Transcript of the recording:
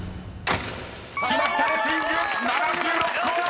［きました「レスリング」７６個！］